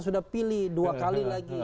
sudah pilih dua kali lagi